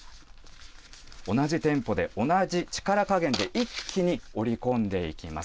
同じテンポで同じ力加減で、一気に折り込んでいきます。